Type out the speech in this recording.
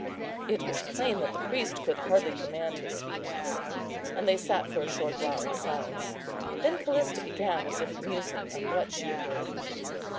It was plain that the priest could hardly command his feelings, and they sat for a short while in silence. Then Callista began, as if musing on what she had heard.